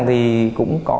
thì cũng có